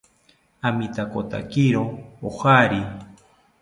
Amitakotakiro ojari